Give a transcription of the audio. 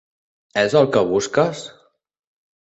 És el que busques?